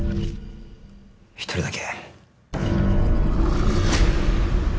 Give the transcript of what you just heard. １人だけ。